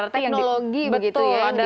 teknologi begitu ya yang digunakan